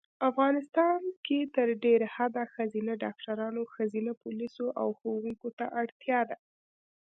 افغانیستان کې تر ډېره حده ښځېنه ډاکټرانو ښځېنه پولیسو او ښوونکو ته اړتیا ده